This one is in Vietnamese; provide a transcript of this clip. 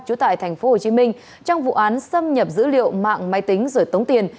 trú tại tp hcm trong vụ án xâm nhập dữ liệu mạng máy tính rồi tống tiền